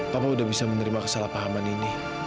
papa sudah bisa menerima kesalahpahaman ini